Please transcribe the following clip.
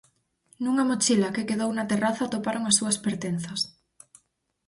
Nunha mochila que quedou na terraza atoparon as súas pertenzas.